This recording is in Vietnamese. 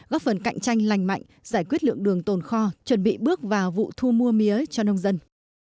góp phần cạnh tranh lành mạnh giải quyết lượng đường tồn kho chuẩn bị bước vào vụ thu mua mía cho nông dân